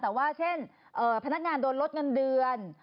แต่ว่าเช่นพนักงานโดนลดเงินเดือน